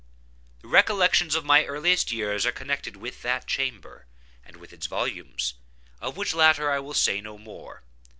The recollections of my earliest years are connected with that chamber, and with its volumes—of which latter I will say no more.